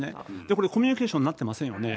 これ、コミュニケーションになってませんよね。